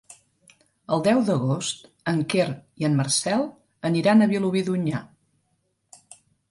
El deu d'agost en Quer i en Marcel aniran a Vilobí d'Onyar.